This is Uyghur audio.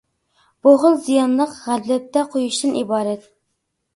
بۇ خىل زىيانلىق غەپلەتتە قۇيۇشتىن ئىبارەت!